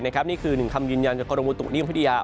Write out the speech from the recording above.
นี่คือหนึ่งคำยืนยันจากกรมบุตุนิยมพัทยา